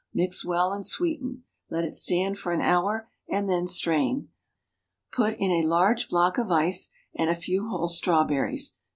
Mix well, and sweeten. Let it stand for an hour, and then strain. Put in a large block of ice, and a few whole strawberries.